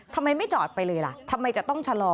ทำไมไม่จอดไปเลยล่ะทำไมจะต้องชะลอ